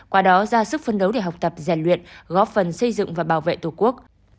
qua đó ra sức phân đấu để học tập rèn luyện góp phần xây dựng và bảo vệ tổ quốc